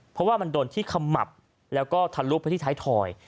เพราะว่ามันโดนขมับและถันรุกไปที่ท้ายถอย